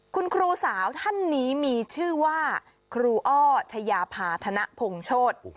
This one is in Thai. คุณครูสาวท่านนี้มีชื่อว่าครูอ้อชายาพาธนพงโชธ